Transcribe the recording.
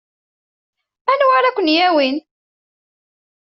Anwa ara ken-yawin?